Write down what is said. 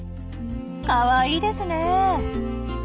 かわいいですね。